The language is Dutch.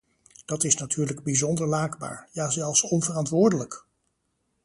Dat is natuurlijk bijzonder laakbaar, ja zelfs onverantwoordelijk!